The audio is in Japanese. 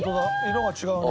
色が違うね。